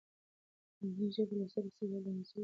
په مورنۍ ژبه لوستل ستړیا له منځه وړي.